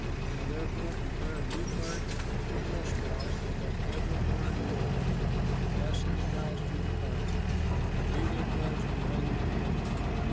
Now therefore prepare a new cart and two milch cows that have never worn a yoke, and fasten the cows to the cart, but leave their calves behind them at home.